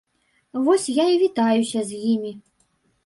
Вось я і вітаюся з імі.